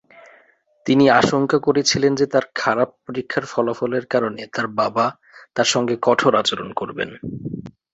তিনি আশঙ্কা করেছিলেন যে তাঁর খারাপ পরীক্ষার ফলাফলের কারণে তাঁর বাবা তাঁর সঙ্গে কঠোর আচরণ করবেন।